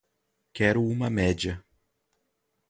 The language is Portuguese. Quero uma média